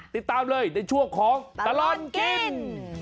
ติดตามเลยในช่วงของตลอดกิน